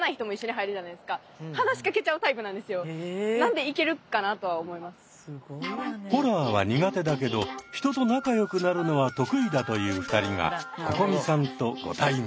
でも私結構ホラーは苦手だけど人と仲よくなるのは得意だという２人がここみさんとご対面。